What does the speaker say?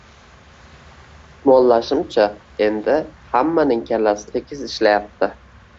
Tusmollashimcha, endi hammaning kallasi tekis ishlayapti